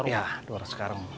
iya dua ratus karung